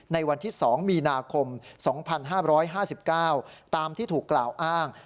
ในวันที่๒มีนาคม๒๕๕๙ตามที่ถูกกล่าวอ้าง